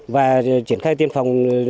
và triển khai tiêm phòng